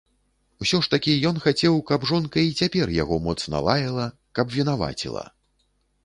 Усё ж такі ён хацеў, каб жонка і цяпер яго моцна лаяла, каб вінаваціла.